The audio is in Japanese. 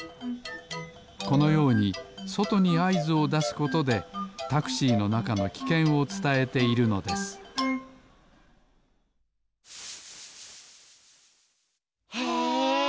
このようにそとにあいずをだすことでタクシーのなかのきけんをつたえているのですへえ！